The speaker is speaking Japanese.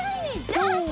ジャンプ！